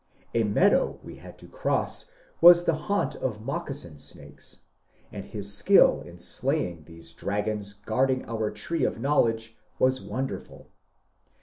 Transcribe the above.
A meadow we bad to cross was tbe baunt of moccasin snakes, and bis skill in slaying tbese dragons guarding our tree of knowledge was wonderful.